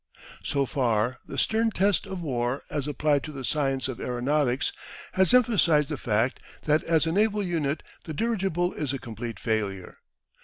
So far the stern test of war as applied to the science of aeronautics has emphasised the fact that as a naval unit the dirigible is a complete failure.